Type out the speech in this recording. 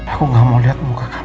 aku gak mau lihat muka